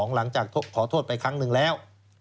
หลังจากขอโทษไปครั้งหนึ่งแล้ว